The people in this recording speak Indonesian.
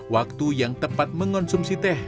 waktu yang tepat mengonsumsi teh